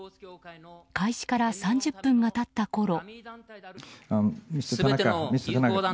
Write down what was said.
開始から３０分が経ったころ。